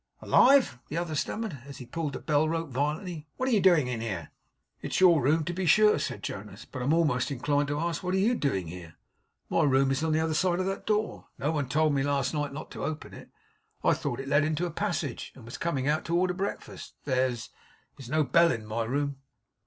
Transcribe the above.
'Alive!' the other stammered, as he pulled the bell rope violently. 'What are you doing here?' 'It's your room to be sure,' said Jonas; 'but I'm almost inclined to ask you what YOU are doing here? My room is on the other side of that door. No one told me last night not to open it. I thought it led into a passage, and was coming out to order breakfast. There's there's no bell in my room.